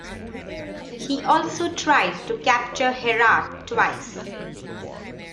He also tried to capture Herat twice.